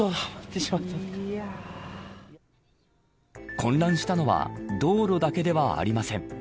混乱したのは道路だけではありません。